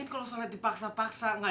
proli puasa juga